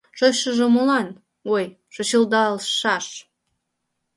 Шочшыжо молан, ой, шочылдалшаш?